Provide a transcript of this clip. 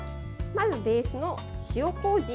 まずベースの塩こうじ。